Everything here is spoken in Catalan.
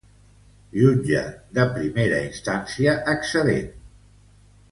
Jutge de Primera Instància excedent.